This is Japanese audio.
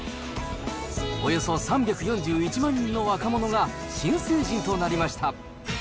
およそ３４１万人の若者が新成人となりました。